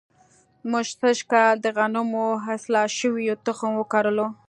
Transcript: موږ سږ کال د غنمو اصلاح شوی تخم وکرلو.